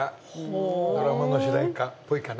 ドラマの主題歌っぽいかな。